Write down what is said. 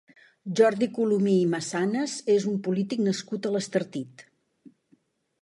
Jordi Colomí i Massanas és un polític nascut a l'Estartit.